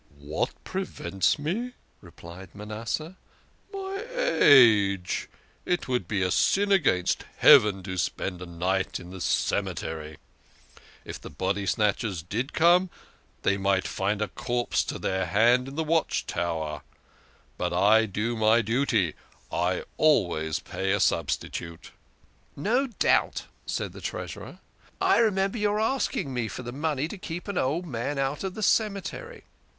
"What prevents me?" replied Manasseh. " My age. It would be a sin against heaven to spend a night in the cemetery. If the body snatchers did come they might find a corpse to their hand in the watch tower. But I do my duty I always pay a substitute." " No doubt," said the Treasurer. " I remember your asking me for the money to keep an old man out of the cemetery.